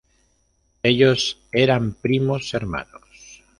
Ellos eran primos hermanos.